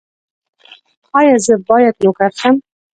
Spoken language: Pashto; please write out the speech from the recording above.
ایا زه باید نوکر شم؟